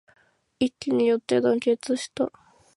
一揆によって団結した